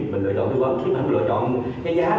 mình lựa chọn thư vấn chúng mình lựa chọn giá